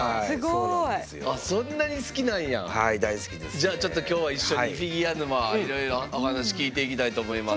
じゃあちょっと今日は一緒にフィギュア沼いろいろお話聞いていきたいと思います。